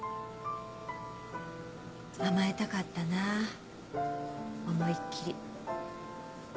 甘えたかったな思いっきり。